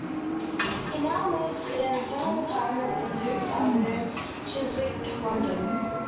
He now lives in semi-retirement in Duke's Avenue, Chiswick, London.